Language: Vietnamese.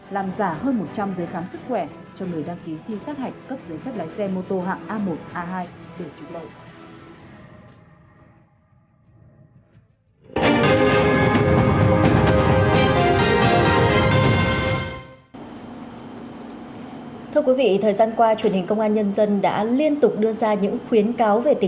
làm giả hơn một trăm linh dây khám sức khỏe cho người đăng ký thi sát hạch cấp dây phép lái xe mô tô hạng a một a hai để trúng lâu